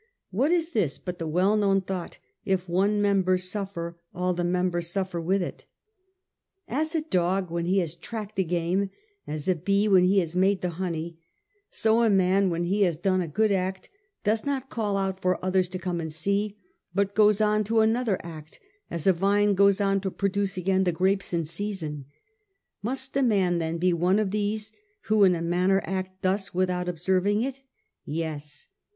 What is this but the well known thought, ' If one member suffer, all the members suffer with it ?'' As a dog when he has tracked the game, as a bee when he has made the honey, so a man when he has ^^ done a good act does not call out for others to come and see, but goes on to another act as a vine goes on to produce again the grapes in season. Must a man then be one of these, who in a manner act thus without observing it ? Yes.